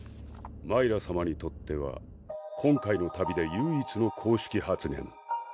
マイラさまにとっては今回の旅で唯一の公式発言